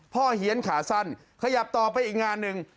เฮียนขาสั้นขยับต่อไปอีกงานหนึ่ง